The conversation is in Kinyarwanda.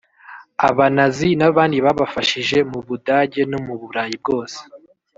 Abanazi n’abandi babafashije mu Budage no mu Burayi bwose